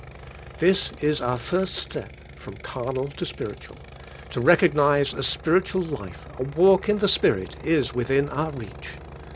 This is our first step from carnal to spiritual, — to recognize a spiritual life, a walk in the Spirit, is within our reach.